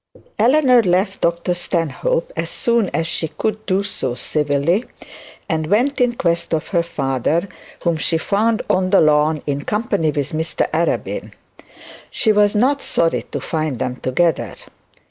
Eleanor left Dr Stanhope as soon as she could do so civilly, and went in quest of her father whom she found on the lawn in company with Mr Arabin. She was not sorry to find them together.